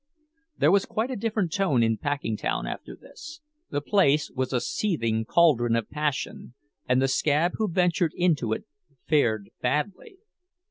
There was quite a different tone in Packingtown after this—the place was a seething caldron of passion, and the "scab" who ventured into it fared badly.